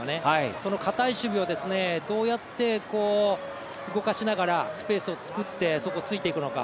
そのかたい守備をどうやって動かしながらスペースを作って、そこをついていくのか。